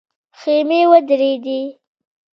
خيمې ودرېدې.